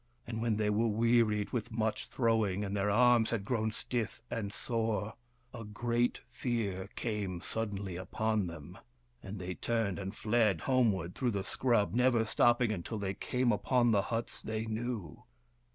And when they were wearied with much throwing, and their arms had grown stiff and sore, a great fear came suddenly upon them, and they turned and fled homeward through the scrub, never stop ping until they came upon the huts they knew.